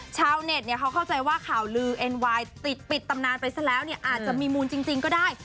ชาวเน็ตเขาเข้าใจว่าข่าวลือเอ็นไวน์ติดปิดตำนานไปซะแล้วเนี่ยอาจจะมีมูลจริงก็ได้